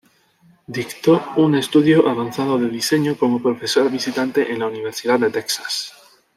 Dictó un Estudio Avanzado de Diseño como profesora visitante en la Universidad de Texas.